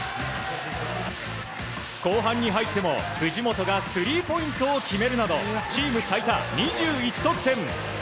後半に入っても、藤本がスリーポイントを決めるなどチーム最多２１得点。